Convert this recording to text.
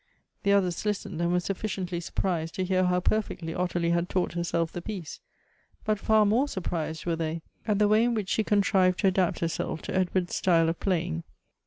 The others listened, and were sufficiently surprised to hear how perfectly Ottilie had taught herself the piece — but far more surprised were they at the way in which she contrived to adapt herself to Edward's style of playing.